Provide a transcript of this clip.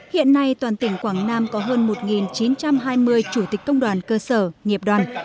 hiện nay toàn tỉnh quảng nam có hơn một chín trăm hai mươi chủ tịch công đoàn cơ sở nghiệp đoàn